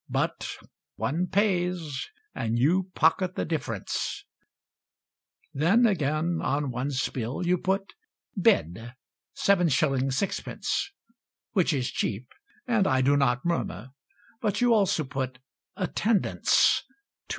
But One pays, And you pocket the difference. Then, again, on one's bill You put Bed, 7s. 6d. Which is cheap; And I do not murmur; But you also put Attendance, 2s.